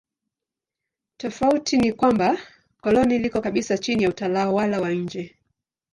Tofauti ni kwamba koloni liko kabisa chini ya utawala wa nje.